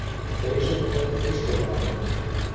Тыйже мыйым кеч коклан